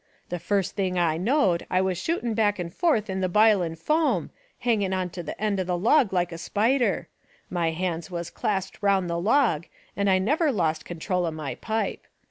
The first thing I knowed, I was shootin' back an' forth in the b'ilin' foam, hangin' on t' the end of a log like a spider. My hands was clasped round the log, and I never lost control o' my pipe.